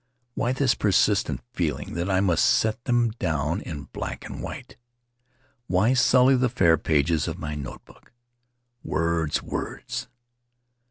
Why this persistent feeling that I must set them down in black and white? Why sully the fair pages of my notebook? Words, words!